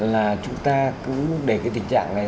là chúng ta cứ để cái tình trạng này